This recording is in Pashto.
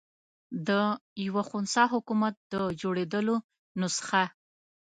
د یوه خنثی حکومت د جوړېدلو نسخه.